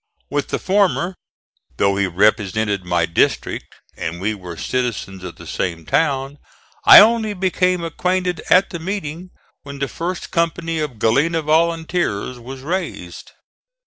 With the former, though he represented my district and we were citizens of the same town, I only became acquainted at the meeting when the first company of Galena volunteers was raised.